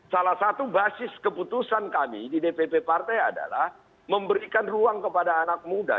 salah satu basis keputusan kami di dpp partai adalah memberikan ruang kepada anak muda